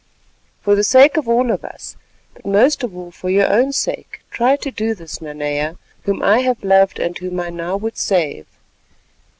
For the sake of all of us, but most of all for your own sake, try to do this, Nanea, whom I have loved and whom I now would save.